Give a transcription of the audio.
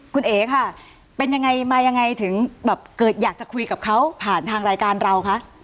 คุณเอ๋ค่ะเป็นยังไงมายังไงถึงแบบเกิดอยากจะคุยกับเขาผ่านทางรายการเราคะ